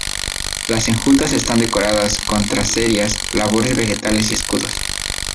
Las enjutas están decoradas con tracerías, labores vegetales y escudos.